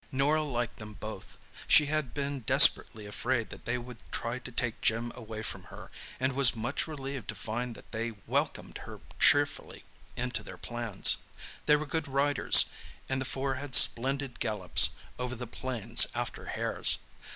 Norah liked them both. She had been desperately afraid that they would try to take Jim away from her, and was much relieved to find that they welcomed her cheerfully into their plans. They were good riders, and the four had splendid gallops over the plains after hares.